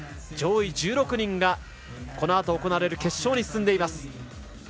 上位１６人がこのあと行われる決勝に進んでいます。